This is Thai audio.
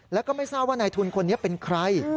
แล้วก็ไม่ทราบว่านายทุนคนนี้เป็นใคร